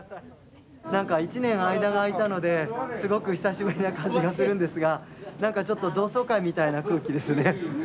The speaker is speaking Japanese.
なんか１年間が空いたのですごく久しぶりな感じがするんですがなんかちょっと同窓会みたいな空気ですね。